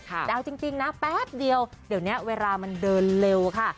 แต่เอาจริงนะแป๊บเดียวเดี๋ยวนี้เวลามันเดินเร็วค่ะ